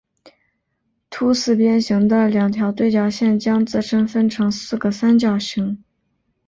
凸四边形的两条对角线将自身分成四个三角形。